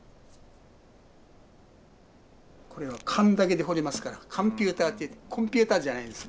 これは勘だけで彫りますから「カンピューター」っていって「コンピューター」じゃないんです。